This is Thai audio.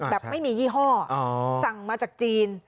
แบบไม่มียี่ห้อสั่งมาจากจีน